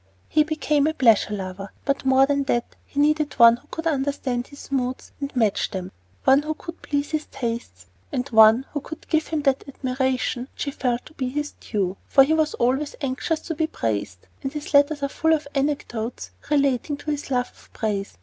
He became a pleasure lover; but more than that, he needed one who could understand his moods and match them, one who could please his tastes, and one who could give him that admiration which he felt to be his due; for he was always anxious to be praised, and his letters are full of anecdotes relating to his love of praise.